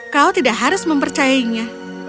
kau tidak harus mempercayainya